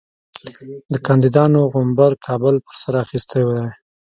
د کاندیدانو غومبر کابل پر سر اخیستی دی.